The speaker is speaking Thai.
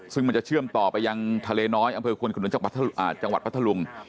ซึ่งมันจะเชื่อมต่อไปยังทะเลน้อยอำเภอควนขนุนจังหวัดพัทธลุง